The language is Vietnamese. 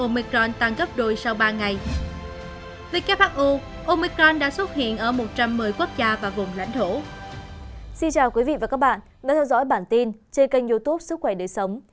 xin chào quý vị và các bạn đã theo dõi bản tin trên kênh youtube sức khỏe để sống